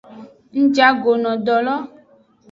Ngjago no do lo.